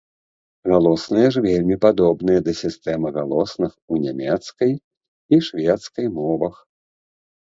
Галосныя ж вельмі падобныя да сістэмы галосных у нямецкай і шведскай мовах.